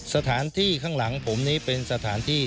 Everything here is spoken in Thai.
สถานที่ข้างหลังผมนี้เป็นสถานที่